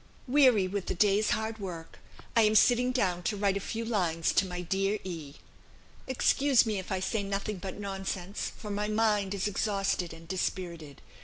"Weary with a day's hard work ... I am sitting down to write a few lines to my dear E. Excuse me if I say nothing but nonsense, for my mind is exhausted and dispirited.